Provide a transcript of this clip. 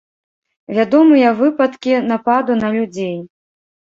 Вядомыя выпадкі нападу на людзей.